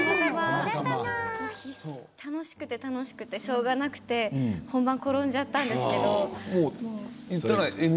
楽しくて楽しくてしかたがなくて転んでしまったんですけれど。